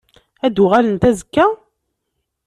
Ad d-uɣalent azekka?